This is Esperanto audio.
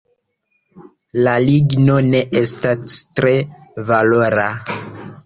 La ligno ne estas tre valora.